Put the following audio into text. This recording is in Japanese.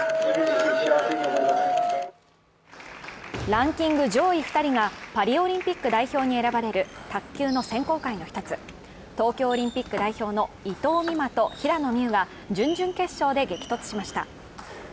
ランキング上位２人がパリオリンピック代表に選ばれる卓球の選考会の一つ、東京オリンピック代表の伊藤美誠と平野美宇が準々決勝で激突しました。